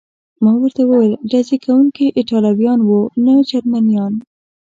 ما ورته وویل: ډزې کوونکي ایټالویان و، نه جرمنیان.